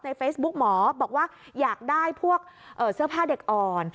เฟซบุ๊กหมอบอกว่าอยากได้พวกเสื้อผ้าเด็กอ่อน